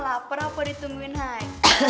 laper apa ditungguin hai